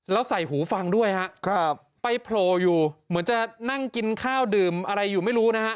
แล้วใส่หูฟังด้วยฮะครับไปโผล่อยู่เหมือนจะนั่งกินข้าวดื่มอะไรอยู่ไม่รู้นะฮะ